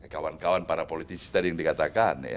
kawan kawan para politisi tadi yang dikatakan